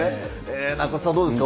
名越さん、どうですか？